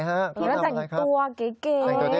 แล้วสั่งตัวเก๋